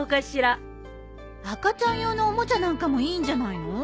赤ちゃん用のおもちゃなんかもいいんじゃないの？